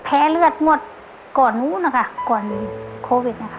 แพ้เลือดหมดก่อนโควิด